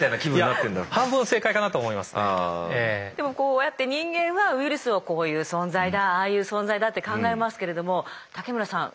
でもこうやって人間はウイルスをこういう存在だああいう存在だって考えますけれども武村さん